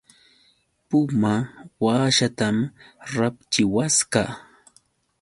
Puma washaatam rapchiwasqa.